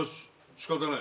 仕方ない。